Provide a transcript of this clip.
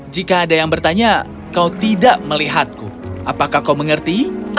jika ada yang bertanya kau tidak melihatku apakah kau mengerti